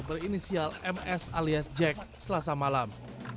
berinisial ms alias jack selasa malam